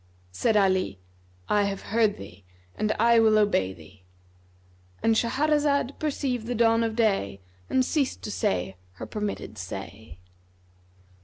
'" Said Ali, "I have heard thee and I will obey thee."—And Shahrazad perceived the dawn of day and ceased to say her permitted say.